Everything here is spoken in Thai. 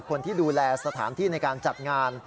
คนที่ดูแลสถานที่ในการจัดงาน